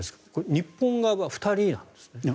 日本側は２人なんですね。